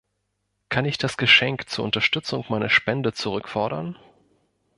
Kann ich das Geschenk zur Unterstützung meiner Spende zurückfordern?